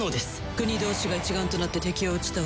国同士が一丸となって敵を打ち倒す。